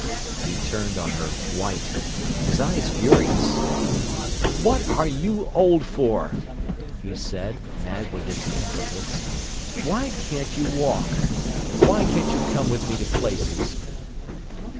He turned on her, white, his eyes furious. "What are you old for!" he said, mad with his impotence. "Why can't you walk? Why can't you come with me to places?"